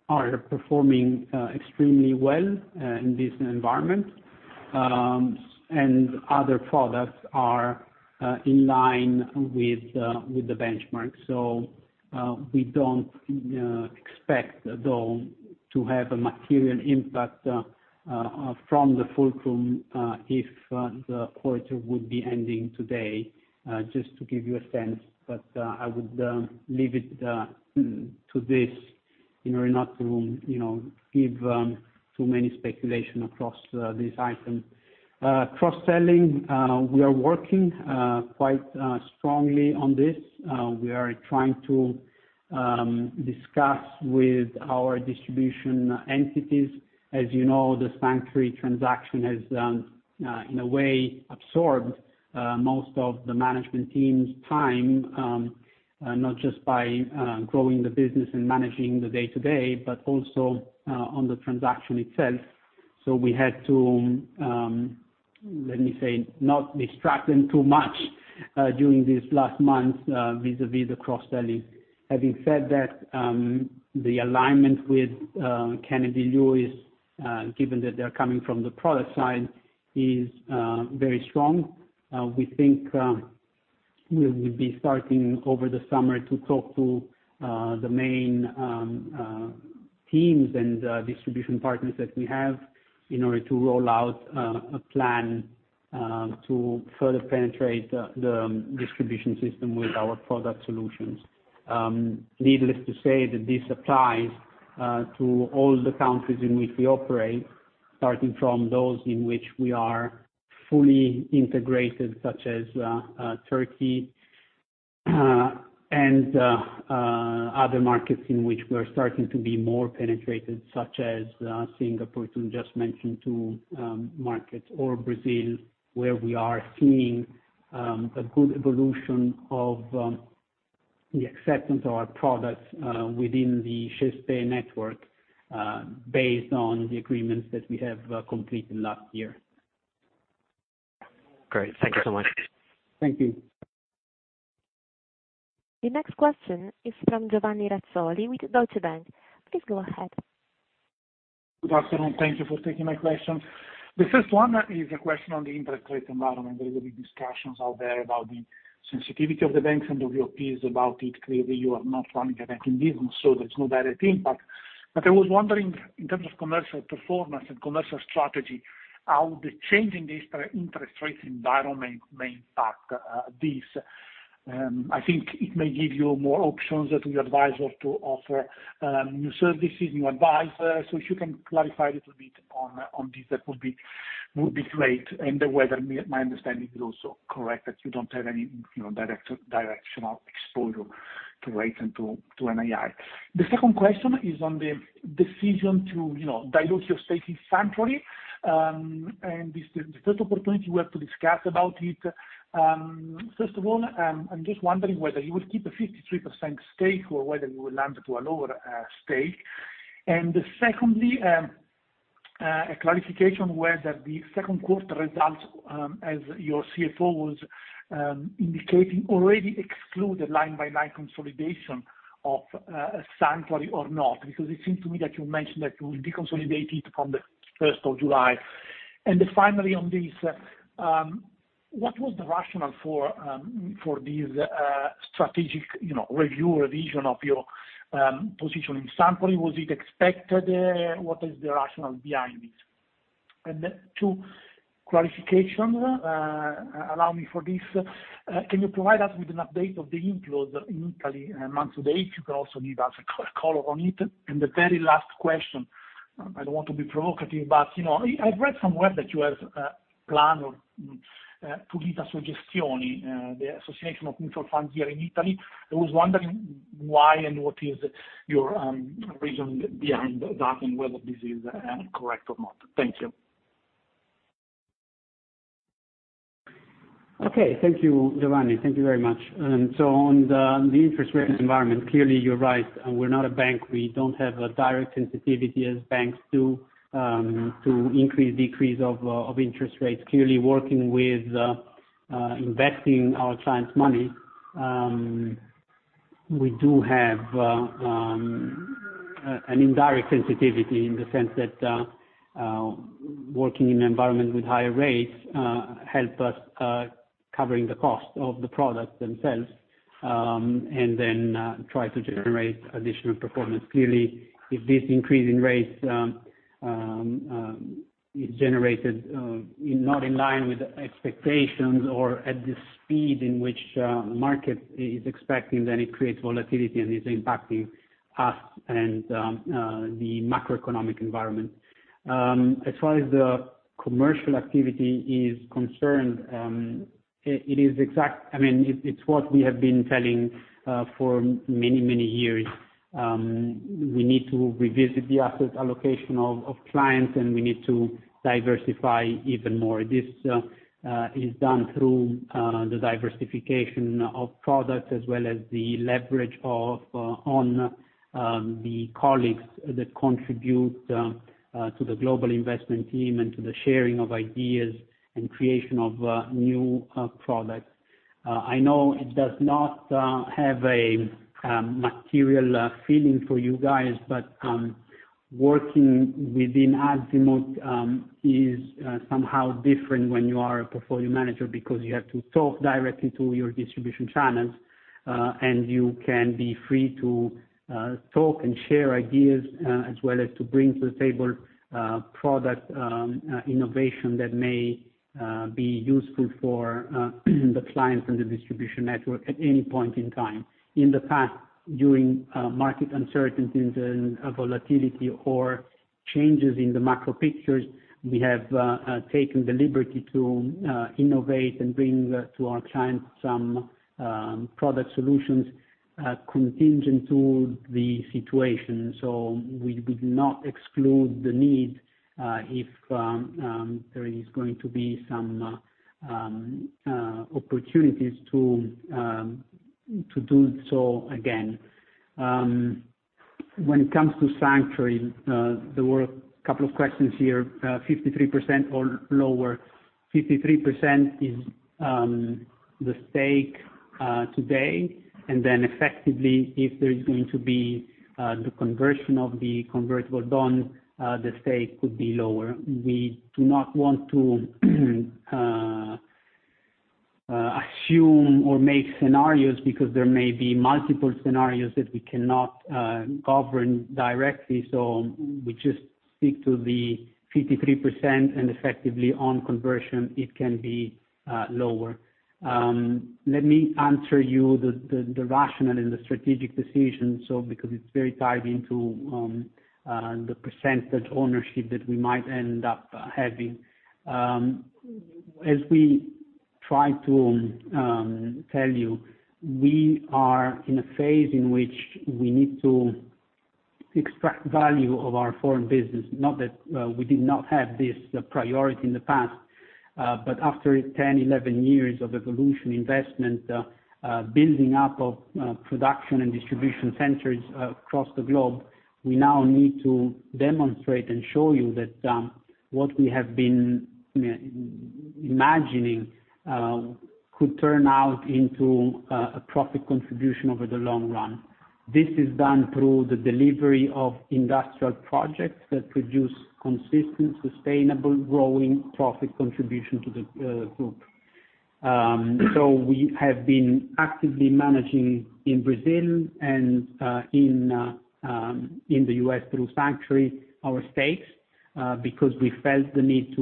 are performing extremely well in this environment. Other products are in line with the benchmark. We don't expect, though, to have a material impact from the Fulcrum if the quarter would be ending today, just to give you a sense. I would leave it to this in order not to, you know, give too many speculation across this item. Cross-selling, we are working quite strongly on this. We are trying to discuss with our distribution entities. As you know, the Sanctuary transaction has, in a way, absorbed most of the management team's time, not just by growing the business and managing the day-to-day, but also on the transaction itself. We had to, let me say, not distract them too much during these last months vis-à-vis the cross-selling. Having said that, the alignment with Kennedy Lewis, given that they're coming from the product side, is very strong. We think we'll be starting over the summer to talk to the main teams and distribution partners that we have in order to roll out a plan to further penetrate the distribution system with our product solutions. Needless to say that this applies to all the countries in which we operate, starting from those in which we are fully integrated, such as Turkey and other markets in which we are starting to be more penetrated, such as Singapore. To just mention two markets or Brazil, where we are seeing a good evolution of the acceptance of our products within the Caixa Econômica Federal network, based on the agreements that we have completed last year. Great. Thank you so much. Thank you. The next question is from Giovanni Razzoli with Deutsche Bank. Please go ahead. Good afternoon. Thank you for taking my question. The first one is a question on the interest rate environment. There will be discussions out there about the sensitivity of the banks and the reps about it. Clearly, you are not running a banking business, so there's no direct impact. But I was wondering in terms of commercial performance and commercial strategy, how the change in the interest rates environment may impact this. I think it may give you more options to your advisor to offer new services, new advice. If you can clarify a little bit on this, that would be great, and whether my understanding is also correct, that you don't have any, you know, directional exposure to rates and to NII. The second question is on the decision to, you know, dilute your stake in Sanctuary. This is the first opportunity we have to discuss about it. First of all, I'm just wondering whether you will keep a 53% stake or whether you will land to a lower stake. Secondly, a clarification whether the second quarter results, as your CFO was indicating already exclude the line by line consolidation of Sanctuary or not, because it seems to me that you mentioned that you will be consolidated from the first of July. Finally on this, what was the rationale for this strategic, you know, review, revision of your position in Sanctuary? Was it expected? What is the rationale behind this? Too clarification, allow me for this. Can you provide us with an update of the inflows in Italy month to date? You can also give us a color on it. The very last question, I don't want to be provocative, but, you know, I've read somewhere that you have Assogestioni, the Association of Mutual Funds here in Italy. I was wondering why and what is your reason behind that, and whether this is correct or not? Thank you. Okay. Thank you, Giovanni. Thank you very much. On the interest rate environment, clearly you're right. We're not a bank. We don't have a direct sensitivity as banks do to increase, decrease of interest rates. Clearly, working with investing our clients' money, we do have an indirect sensitivity in the sense that working in an environment with higher rates help us covering the cost of the products themselves and then try to generate additional performance. Clearly, if this increase in rates is generated not in line with expectations or at the speed in which the market is expecting, then it creates volatility and is impacting us and the macroeconomic environment. As far as the commercial activity is concerned, it is exact. I mean, it's what we have been telling for many years. We need to revisit the asset allocation of clients, and we need to diversify even more. This is done through the diversification of products as well as the leverage on the colleagues that contribute to the global investment team and to the sharing of ideas and creation of new products. I know it does not have a material feeling for you guys, but working within Azimut is somehow different when you are a portfolio manager because you have to talk directly to your distribution channels. You can be free to talk and share ideas as well as to bring to the table product innovation that may be useful for the clients and the distribution network at any point in time. In the past, during market uncertainties and volatility or changes in the macro pictures, we have taken the liberty to innovate and bring to our clients some product solutions contingent to the situation. We would not exclude the need if there is going to be some opportunities to do so again. When it comes to Sanctuary, there were a couple of questions here. 53% or lower. 53% is the stake today, and then effectively, if there is going to be the conversion of the convertible bond, the stake could be lower. We do not want to assume or make scenarios because there may be multiple scenarios that we cannot govern directly. We just stick to the 53%, and effectively on conversion, it can be lower. Let me answer you the rationale and the strategic decision, so because it's very tied into the percentage ownership that we might end up having. As we try to tell you, we are in a phase in which we need to extract value of our foreign business, not that we did not have this priority in the past. After 10, 11 years of evolution investment, building up of production and distribution centers across the globe, we now need to demonstrate and show you that what we have been imagining could turn out into a profit contribution over the long run. This is done through the delivery of industrial projects that produce consistent, sustainable, growing profit contribution to the group. We have been actively managing in Brazil and in the U.S. through Sanctuary, our stakes, because we felt the need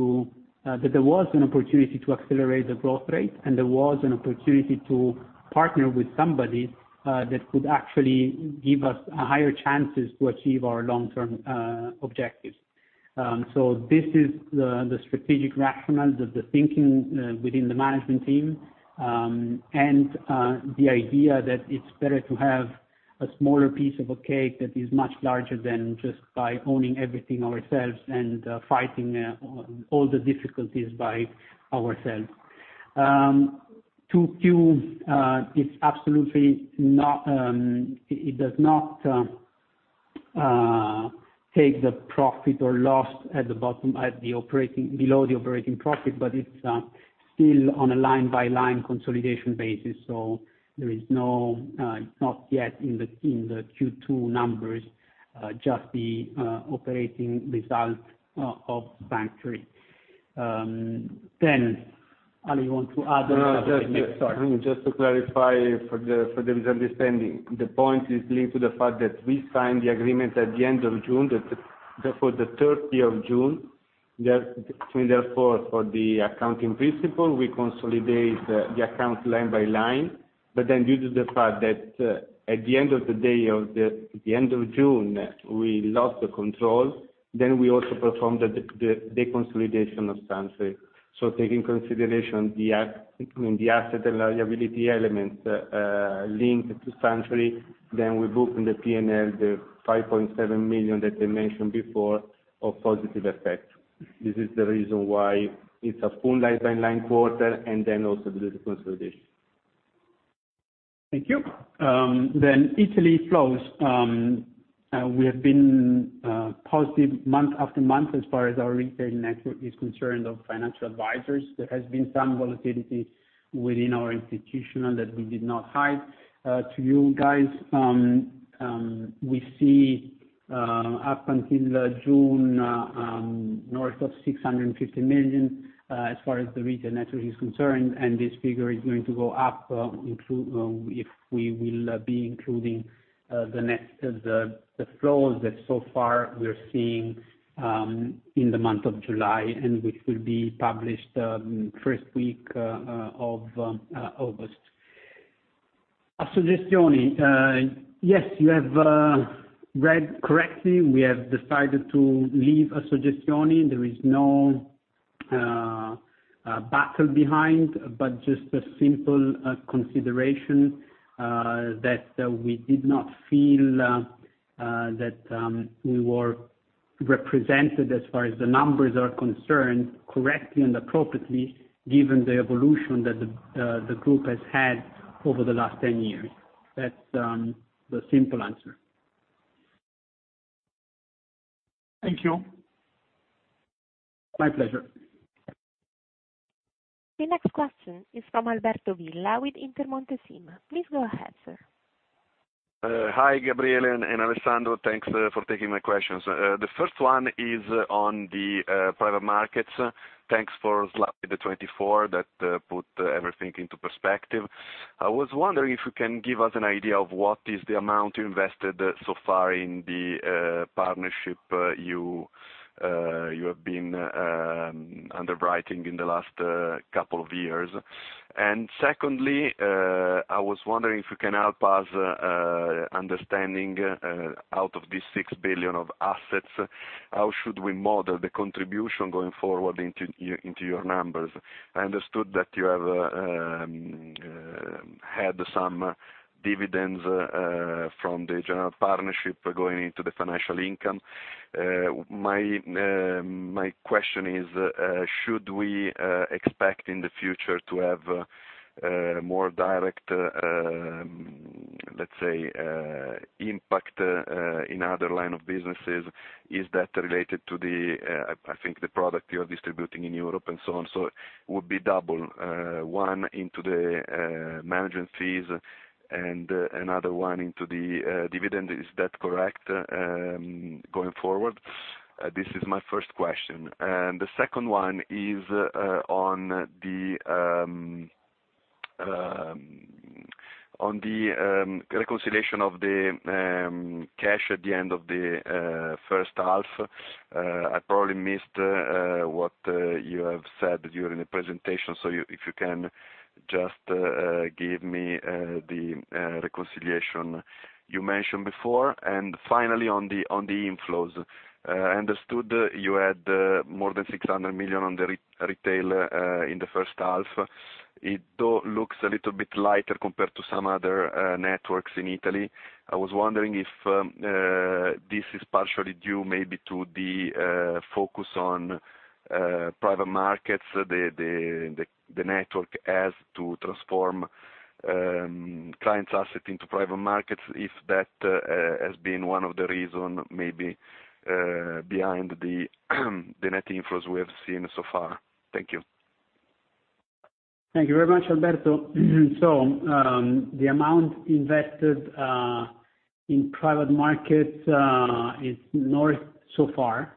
that there was an opportunity to accelerate the growth rate, and there was an opportunity to partner with somebody that could actually give us higher chances to achieve our long-term objectives. This is the strategic rationale, the thinking within the management team, and the idea that it's better to have a smaller piece of a cake that is much larger than just by owning everything ourselves and fighting all the difficulties by ourselves. 2Q, it's absolutely not. It does not take the profit or loss at the bottom, below the operating profit, but it's still on a line-by-line consolidation basis. It's not yet in the Q2 numbers, just the operating result of Sanctuary. Ali, you want to add something? Sorry. No, just to clarify for the misunderstanding. The point is linked to the fact that we signed the agreement at the end of June. Therefore, the 30 of June. Therefore, I mean, for the accounting principle, we consolidate the accounts line by line. Due to the fact that at the end of June, we lost the control, then we also performed the consolidation of Sanctuary. Taking into consideration the asset and liability elements linked to Sanctuary, then we book in the P&L 5.7 million that I mentioned before of positive effect. This is the reason why it's a full line by line quarter, and then also the consolidation. Thank you. Italy flows. We have been positive month after month as far as our retail network is concerned, of financial advisors. There has been some volatility within our institutional that we did not hide to you guys. We see up until June north of 650 million as far as the retail network is concerned, and this figure is going to go up including the flows that so far we're seeing in the month of July and which will be published first week of August. Assogestioni. Yes, you have read correctly. We have decided to leave Assogestioni. There is no battle behind, but just a simple consideration that we did not feel that we were represented as far as the numbers are concerned, correctly and appropriately, given the evolution that the group has had over the last 10 years. That's the simple answer. Thank you. My pleasure. The next question is from Alberto Villa with Intermonte SIM. Please go ahead, sir. Hi, Gabriele and Alessandro. Thanks for taking my questions. The first one is on the private markets. Thanks for slide 24 that put everything into perspective. I was wondering if you can give us an idea of what is the amount you invested so far in the partnership you have been underwriting in the last couple of years. Secondly, I was wondering if you can help us understanding out of these 6 billion of assets, how should we model the contribution going forward into your numbers? I understood that you have had some dividends from the general partnership going into the financial income. My question is, should we expect in the future to have more direct, let's say, impact in other line of businesses? Is that related to the, I think the product you're distributing in Europe and so on, so would be double, one into the management fees and another one into the dividend. Is that correct, going forward? This is my first question. The second one is, on the reconciliation of the cash at the end of the first half. I probably missed what you have said during the presentation. So if you can just give me the reconciliation you mentioned before. Finally, on the inflows. I understood you had more than 600 million on the retail in the first half. It though looks a little bit lighter compared to some other networks in Italy. I was wondering if this is partially due maybe to the focus on private markets, the network has to transform clients asset into private markets, if that has been one of the reason maybe behind the net inflows we have seen so far. Thank you. Thank you very much, Alberto. The amount invested in private markets is north of so far.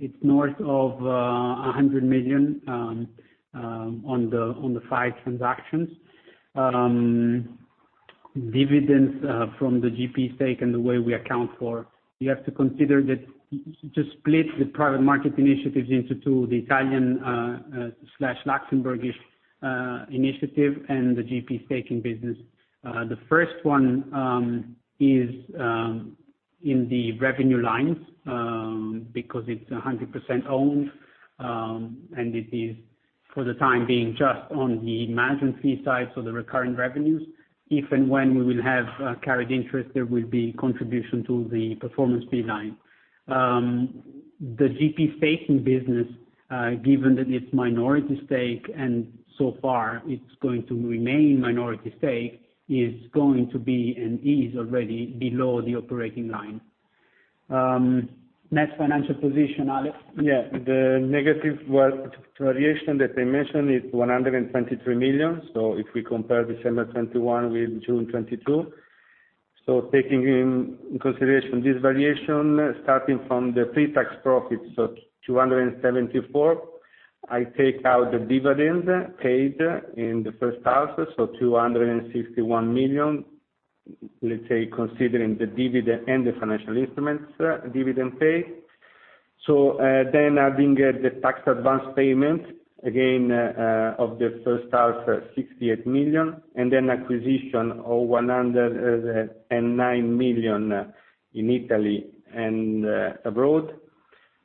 It's north of 100 million on the 5 transactions. Dividends from the GP stake and the way we account for, you have to consider that to split the private market initiatives into two, the Italian/Luxembourgish initiative and the GP staking business. The first one is in the revenue lines because it's 100% owned and it is for the time being just on the management fee side, so the recurring revenues. If and when we will have carried interest, there will be contribution to the performance fee line. The GP staking business, given that it's minority stake, and so far it's going to remain minority stake, is going to be and is already below the operating line. Net financial position, Alex? Yeah. The negative working capital variation that I mentioned is 123 million. If we compare December 2021 with June 2022. Taking into consideration this variation, starting from the pre-tax profits, 274, I take out the dividends paid in the first half, 261 million. Let's say, considering the dividend and the financial instruments, dividend paid. Then adding the tax advance payment, again, of the first half, 68 million, and then acquisition of 109 million in Italy and abroad.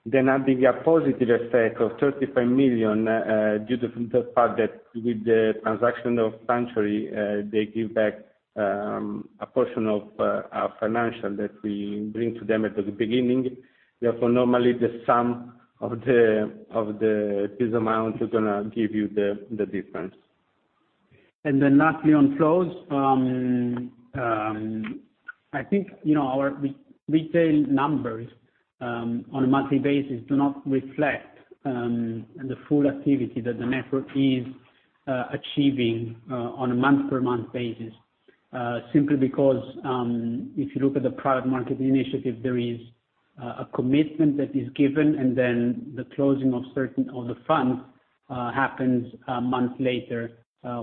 Adding a positive effect of 35 million due to the fact that with the transaction of Sanctuary, they give back a portion of our financing that we bring to them at the beginning. Therefore, normally the sum of the this amount is gonna give you the difference. Lastly on flows. I think, you know, our retail numbers on a monthly basis do not reflect the full activity that the network is achieving on a month-over-month basis. Simply because, if you look at the private market initiative, there is a commitment that is given, and then the closing of certain of the funds happens a month later,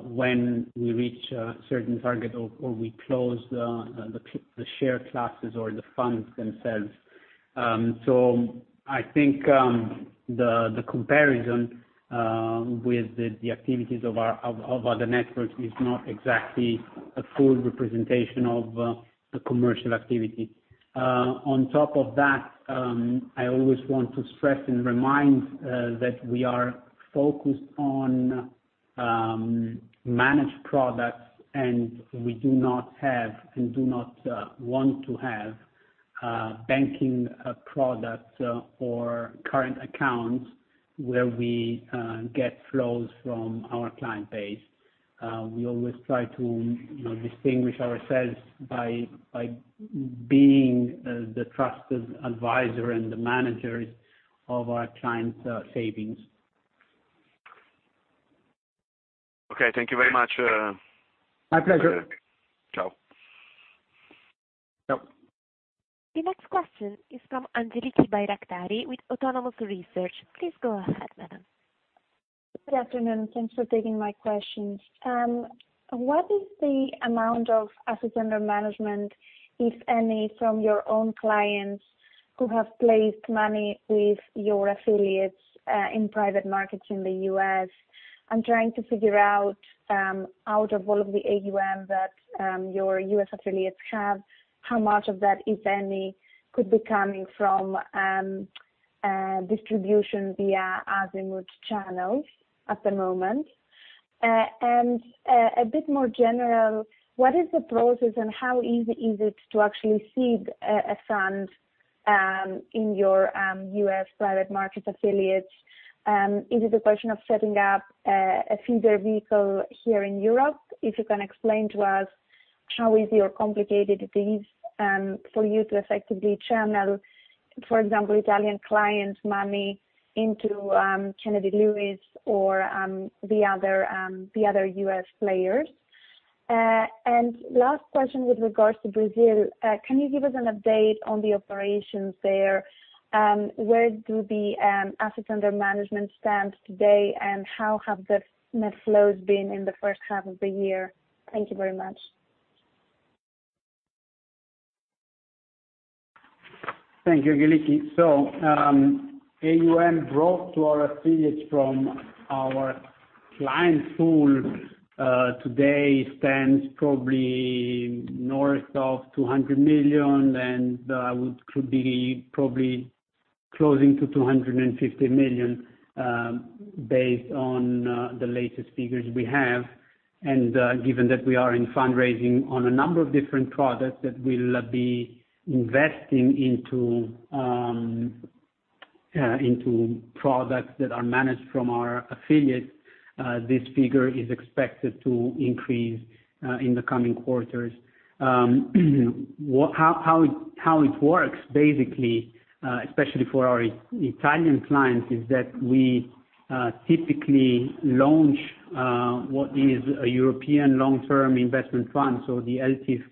when we reach a certain target or we close the share classes or the funds themselves. I think the comparison with the activities of our other networks is not exactly a full representation of the commercial activity. On top of that, I always want to stress and remind that we are focused on managed products, and we do not have, and do not want to have banking products or current accounts where we get flows from our client base. We always try to, you know, distinguish ourselves by being the trusted advisor and the managers of our clients' savings. Okay. Thank you very much, Gabriele. My pleasure. Ciao. Ciao. The next question is from Angeliki Bairaktari with Autonomous Research. Please go ahead, madam. Good afternoon. Thanks for taking my questions. What is the amount of assets under management, if any, from your own clients who have placed money with your affiliates, in private markets in the U.S.? I'm trying to figure out of all of the AUM that, your U.S. affiliates have, how much of that, if any, could be coming from, distribution via Azimut channels at the moment? A bit more general, what is the process and how easy is it to actually seed a fund in your U.S. private market affiliates? Is it a question of setting up a feeder vehicle here in Europe? If you can explain to us how easy or complicated it is for you to effectively channel, for example, Italian clients' money into Kennedy Lewis or the other US players. Last question with regards to Brazil. Can you give us an update on the operations there? Where do the assets under management stand today, and how have the net flows been in the first half of the year? Thank you very much. Thank you, Angeliki. AUM brought to our affiliates from our client pool today stands probably north of 200 million, and could be probably closing to 250 million, based on the latest figures we have. Given that we are in fundraising on a number of different products that we'll be investing into products that are managed from our affiliates, this figure is expected to increase in the coming quarters. How it works, basically, especially for our Italian clients, is that we typically launch what is a European Long-Term Investment Fund, so the ELTIF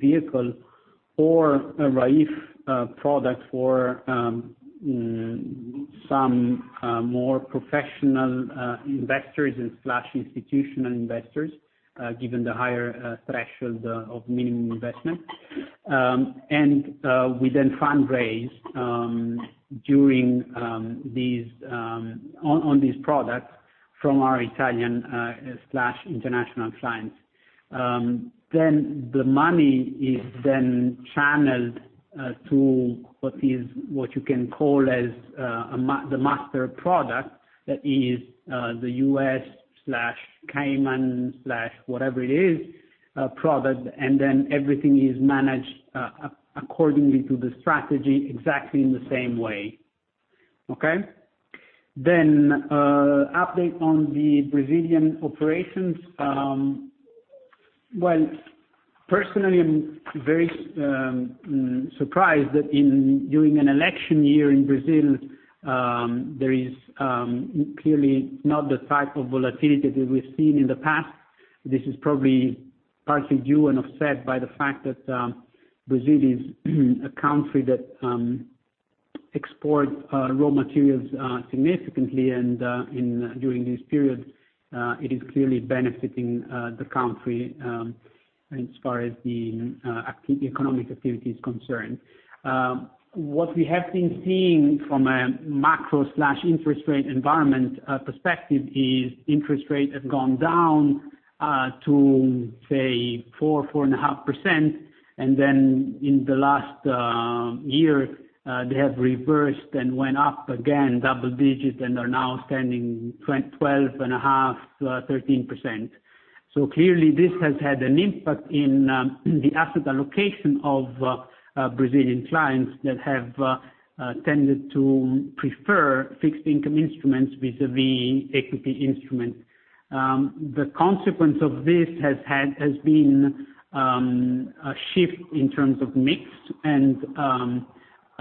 vehicle. Or a RAIF product for some more professional and/or institutional investors, given the higher threshold of minimum investment. We then fundraise during these on these products from our Italian slash international clients. The money is then channeled to what you can call as the master product. That is, the U.S. slash Cayman slash whatever it is product, and then everything is managed accordingly to the strategy exactly in the same way. Okay? Update on the Brazilian operations. Well, personally, I'm very surprised that during an election year in Brazil, there is clearly not the type of volatility that we've seen in the past. This is probably partly due and offset by the fact that Brazil is a country that exports raw materials significantly and during this period it is clearly benefiting the country as far as the economic activity is concerned. What we have been seeing from a macro/interest rate environment perspective is interest rate has gone down to say 4.5%. Then in the last year they have reversed and went up again double digit and are now standing 12.5, 13%. Clearly this has had an impact in the asset allocation of Brazilian clients that have tended to prefer fixed income instruments vis-a-vis equity instrument. The consequence of this has been a shift in terms of mix and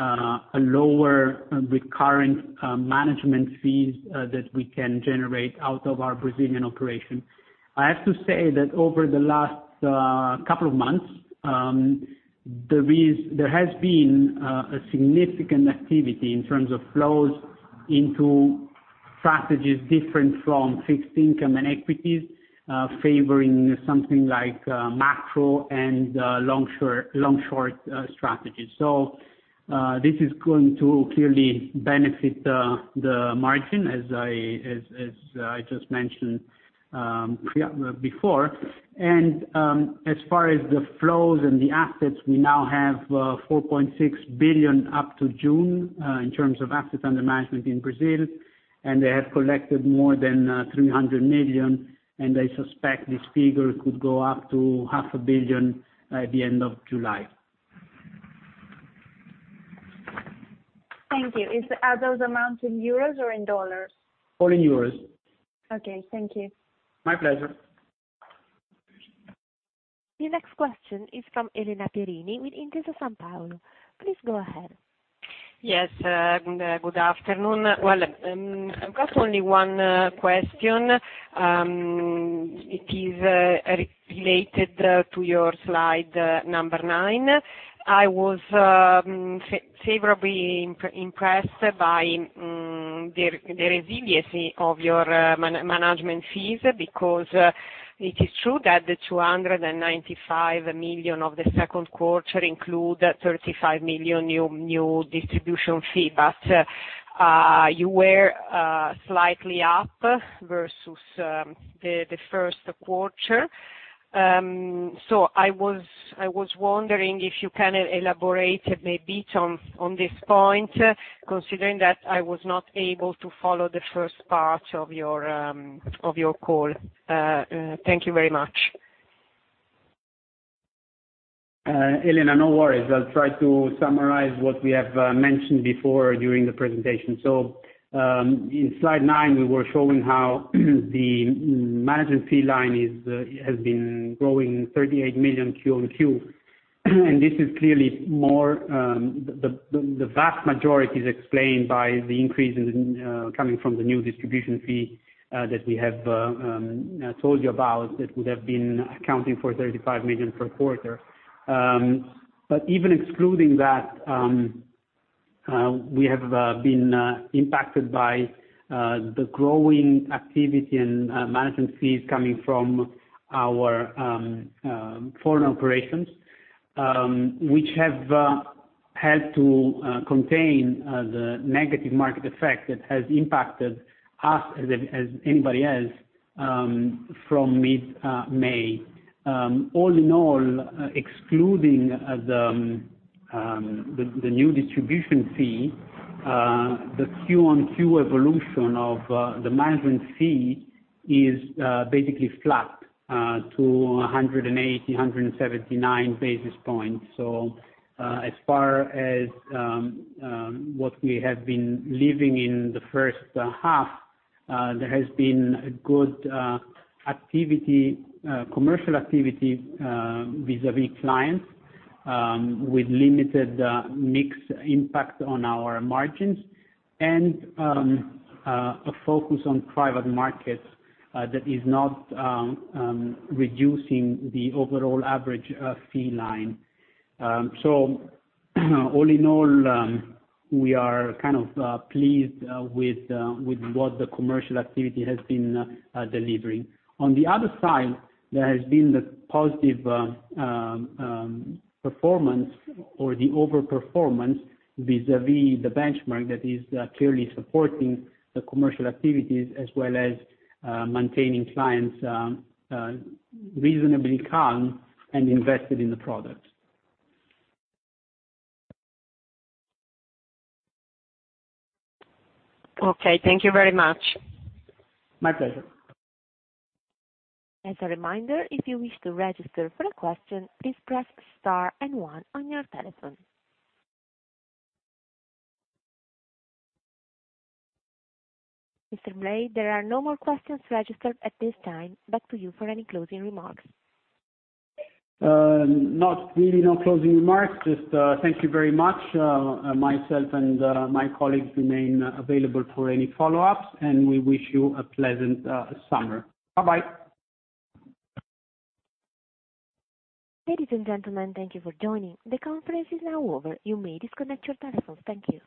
a lower recurring management fees that we can generate out of our Brazilian operation. I have to say that over the last couple of months, there has been a significant activity in terms of flows into strategies different from fixed income and equities, favoring something like macro and long short strategies. This is going to clearly benefit the margin as I just mentioned before. As far as the flows and the assets, we now have 4.6 billion up to June in terms of assets under management in Brazil. They have collected more than 300 million, and I suspect this figure could go up to EUR half a billion by the end of July. Thank you. Are those amounts in euros or in dollars? All in euros. Okay. Thank you. My pleasure. The next question is from Elena Perini with Intesa Sanpaolo. Please go ahead. Yes. Good afternoon. Well, I've got only one question. It is related to your slide number nine. I was favorably impressed by the resiliency of your management fees because it is true that the 295 million of the second quarter include 35 million new distribution fee. But you were slightly up versus the first quarter. So I was wondering if you can elaborate a bit on this point, considering that I was not able to follow the first part of your call. Thank you very much. Elena, no worries. I'll try to summarize what we have mentioned before during the presentation. In slide nine, we were showing how the management fee line has been growing 38 million quarter-over-quarter. This is clearly more, the vast majority is explained by the increase coming from the new distribution fee that we have told you about that would have been accounting for 35 million per quarter. Even excluding that, we have been impacted by the growing activity and management fees coming from our foreign operations, which have had to contain the negative market effect that has impacted us as anybody else, from mid-May. All in all, excluding the new distribution fee, the Q-on-Q evolution of the management fee is basically flat to 179 basis points. As far as what we have been living in the first half, there has been a good commercial activity vis-à-vis clients, with limited mix impact on our margins and a focus on private markets that is not reducing the overall average fee line. All in all, we are kind of pleased with what the commercial activity has been delivering. On the other side, there has been the positive performance or the overperformance vis-à-vis the benchmark that is clearly supporting the commercial activities as well as maintaining clients reasonably calm and invested in the product. Okay. Thank you very much. My pleasure. As a reminder, if you wish to register for a question, please press star and one on your telephone. Mr. Blei, there are no more questions registered at this time. Back to you for any closing remarks. Not really. No closing remarks. Just, thank you very much. Myself and my colleagues remain available for any follow-ups, and we wish you a pleasant summer. Bye-bye. Ladies and gentlemen, thank you for joining. The conference is now over. You may disconnect your telephone. Thank you.